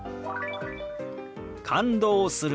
「感動する」。